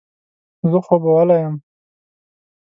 زه خوبولی یم.